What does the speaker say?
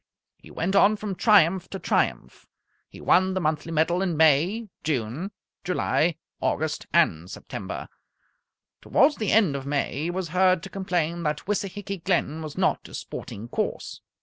He went on from triumph to triumph. He won the monthly medal in May, June, July, August, and September. Towards the end of May he was heard to complain that Wissahicky Glen was not a sporting course.